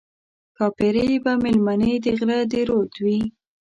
ښاپېرۍ به مېلمنې د غره د رود وي